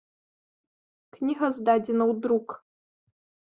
Кніга здадзена ў друк.